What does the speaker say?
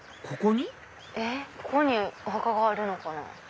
ここにお墓があるのかな。